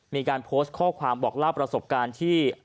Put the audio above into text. มีการโพสต์ข้อความบอกเล่าประสบการณ์ที่